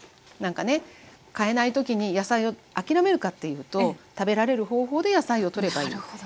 なんかね買えない時に野菜を諦めるかっていうと食べられる方法で野菜をとればいい。